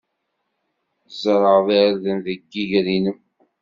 Tzerɛed irden deg yiger-nnem.